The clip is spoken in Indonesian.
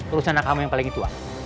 urusan anak kamu yang paling tua